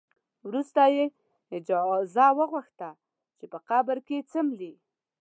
وروسته یې اجازه وغوښته چې په قبر کې څملي.